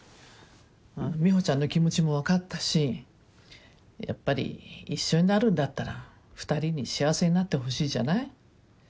美帆ちゃんの気持ちも分かったしやっぱり一緒になるんだったら２人に幸せになってほしいじゃない？